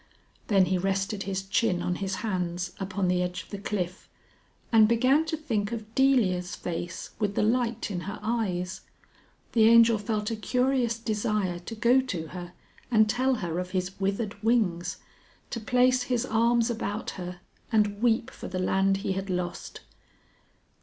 Then he rested his chin on his hands upon the edge of the cliff, and began to think of Delia's face with the light in her eyes. The Angel felt a curious desire to go to her and tell her of his withered wings. To place his arms about her and weep for the land he had lost.